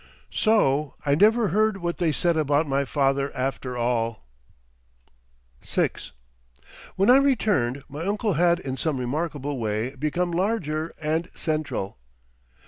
So I never heard what they said about my father after all. VI When I returned, my uncle had in some remarkable way become larger and central.